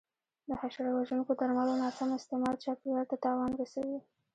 د حشره وژونکو درملو ناسم استعمال چاپېریال ته تاوان رسوي.